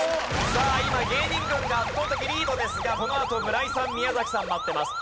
さあ今芸人軍が圧倒的リードですがこのあと村井さん宮崎さん待ってます。